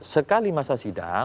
sekali masa sidang